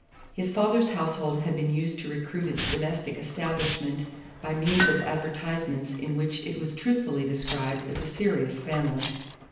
His father's household had been used to recruit its domestic establishment by means of advertisements in which it was truthfully described as a serious family.